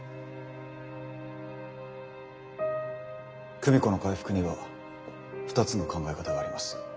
久美子の回復には２つの考え方があります。